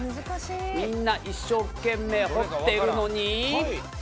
みんな一生懸命掘ってるのに。